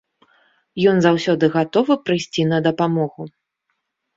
Ён заўсёды гатовы прыйсці на дапамогу.